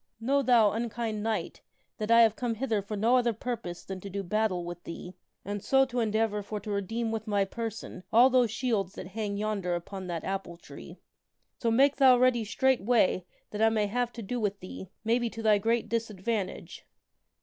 Know, thou unkind knight, that I have come hither for no other purpose than to do battle with thee and so to endeavor for to redeem with my person all those shields that hang yonder upon that apple tree. So make thou ready straightway that I may have to do with thee, maybe to thy great disadvantage."